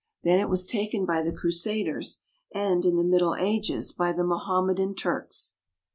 Then it was taken by the Crusaders, and, in the Middle Ages, by the Mohammedan Turks.